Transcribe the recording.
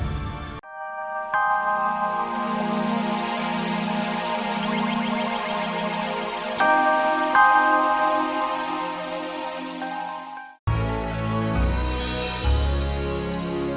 aku sudah melihatnya